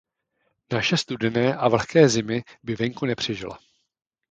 Naše studené a vlhké zimy by venku nepřežila.